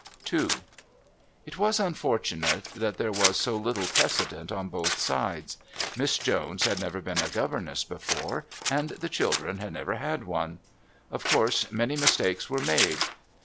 II It was unfortunate that there was so little precedent on both sides. Miss Jones had never been a governess before and the children had never had one. Of course, many mistakes were made.